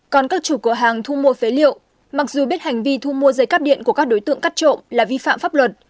còn các chủ cửa hàng thu mua phế liệu mặc dù biết hành vi thu mua dây cắp điện của các đối tượng cắt trộm là vi phạm pháp luật